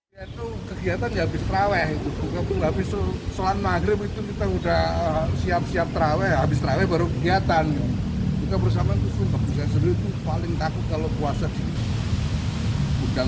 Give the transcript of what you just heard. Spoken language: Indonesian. itu kegiatan gak habis traweh selan maghrib itu kita udah siap siap traweh habis traweh baru kegiatan